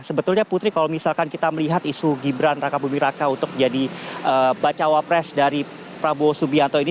sebetulnya putri kalau misalkan kita melihat isu gibran raka buming raka untuk jadi bacawa pres dari prabowo subianto ini